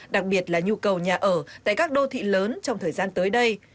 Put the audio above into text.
đặc biệt là nhu cầu nhà ở tại các đô thị lớn trong thời gian tới đây